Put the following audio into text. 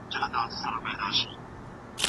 د خوړو پاتې شوني خوندي وساتئ.